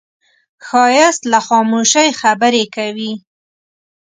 ښایست له خاموشۍ خبرې کوي